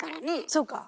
そうか。